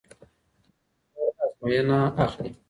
کمپيوټر آزموينه اخلي.